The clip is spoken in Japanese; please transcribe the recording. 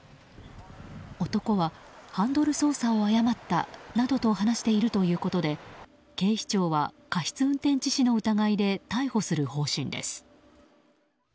男は、ハンドル操作を誤ったなどと話しているということで警視庁は過失運転致死の疑いで逮捕する方針です。